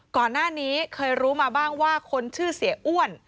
ก่อนหน้านี้เคยรู้มาบ้างว่าคนชื่อเสียอ้วน